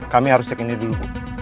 kami harus cek ini dulu